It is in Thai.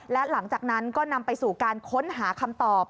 และหลังจากนั้นก็นำไปสู่การค้นหาคำตอบ